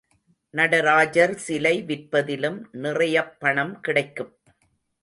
நடராஜர் சிலை விற்பதிலும் நிறையப் பணம் கிடைக்கும்.